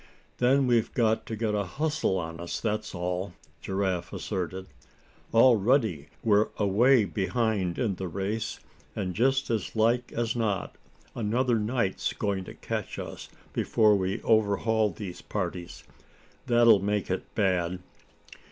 "Then we've got to get a hustle on us, that's all," Giraffe asserted. "Already we're away behind in the race, and just as like as not another night's going to catch us before we overhaul these parties. That'll make it bad."